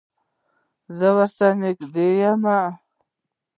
زه اور ته نږدې یم